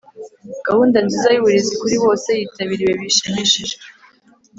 Gahunda nziza y uburezi kuri bose yitabiriwe bishimishije